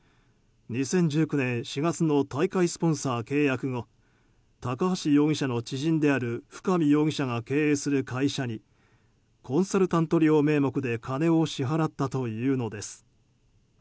２０１９年４月の大会スポンサー契約後高橋容疑者の知人である深見容疑者が経営する会社にコンサルタント料名目で金を支払ったというのです。